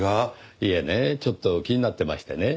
いえねちょっと気になってましてね。